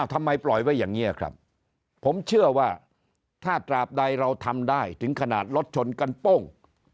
ทำไมปล่อยไว้อย่างนี้ครับผมเชื่อว่าถ้าตราบใดเราทำได้ถึงขนาดรถชนกันโป้ง